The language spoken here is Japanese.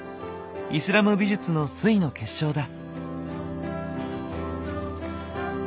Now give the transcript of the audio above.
イスラム美術の粋の結晶だ。